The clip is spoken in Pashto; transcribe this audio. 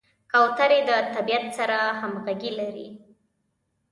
کوترې د طبیعت سره همغږي لري.